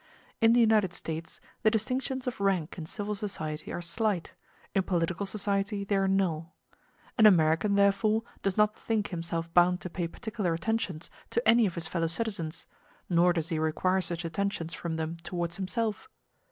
In the United States the distinctions of rank in civil society are slight, in political society they are null; an American, therefore, does not think himself bound to pay particular attentions to any of his fellow citizens, nor does he require such attentions from them towards himself.